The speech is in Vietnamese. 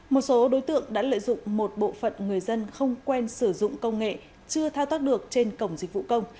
một số đối tượng đã lợi dụng một bộ phận người dân không quen sử dụng công nghệ chưa thao tác được trên cổng dịch vụ công